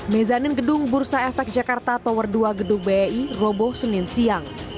mezanin gedung bursa efek jakarta tower dua gedung bei roboh senin siang